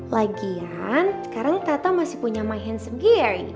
lagian sekarang tata masih punya my handsome gary